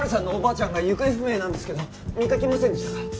５０３のおばあちゃんが行方不明なんですけど見かけませんでしたか？